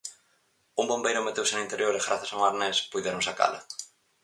Un bombeiro meteuse no interior e grazas a un arnés puideron sacala.